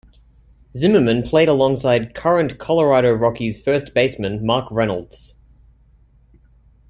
Zimmerman played alongside current Colorado Rockies first baseman Mark Reynolds.